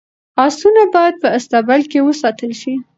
اسونه باید په اصطبل کي وساتل شي.